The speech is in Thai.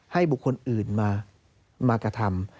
ให้บุคคลอื่นมากระทำ